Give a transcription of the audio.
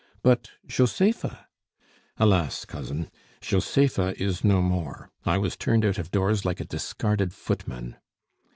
"But Josepha?" "Alas, Cousin, Josepha is no more. I was turned out of doors like a discarded footman."